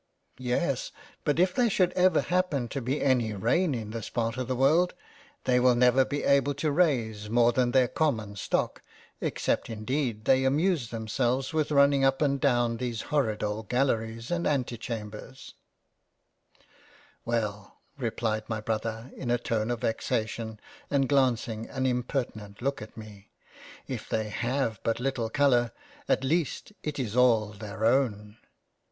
" Yes, but if there should ever happen to be any rain in this part of the world, they will never be able raise more than their common stock — except indeed they amuse themselves with running up and Down these horrid old galleries and Antichambers." 66 £ LESLEY CASTLE g " Well, (replied my Brother in a tone of vexation, and glancing an impertinent look at me) if they have but little colour, at least, it is all their own."